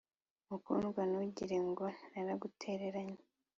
Mukundwa ntugire ngo naragutereranye